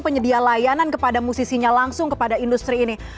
penyedia layanan kepada musisinya langsung kepada industri ini